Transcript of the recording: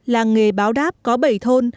làng nghề báo đáp có bảy thôn